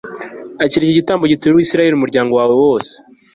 akira iki gitambo gituriwe israheli umuryango wawe wose